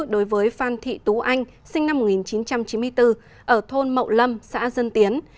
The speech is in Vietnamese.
đối với phan thị tú anh sinh năm một nghìn chín trăm chín mươi bốn ở thôn mậu lâm xã dân tiến